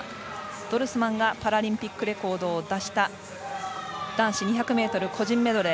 ドルスマンがパラリンピックレコードを出した男子２００ｍ個人メドレー